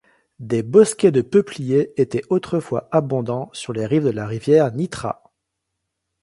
Des bosquets de peupliers étaient autrefois abondants sur les rive de la rivière Nitra.